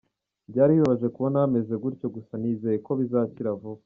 Byari bibabaje kubabona bameze gutyo gusa nizeye ko bazakira vuba.